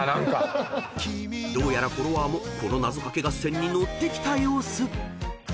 ［どうやらフォロワーもこのなぞかけ合戦に乗ってきた様子］